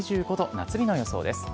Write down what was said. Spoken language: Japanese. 夏日の予想です。